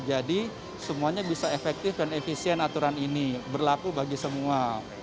jadi semuanya bisa efektif dan efisien aturan ini berlaku bagi semua